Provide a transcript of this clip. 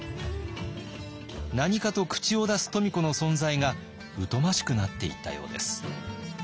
何かと口を出す富子の存在が疎ましくなっていったようです。